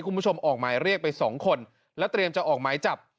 คุณผู้ชมออกไม้เรียกไป๒คนและเตรียมจะออกไม้จับ